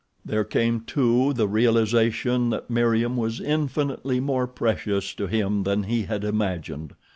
There came too, the realization that Meriem was infinitely more precious to him than he had imagined.